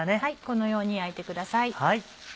このように焼いてください。